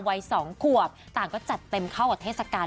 วัย๒ขวบต่างก็จัดเต็มเข้ากับเทศกาล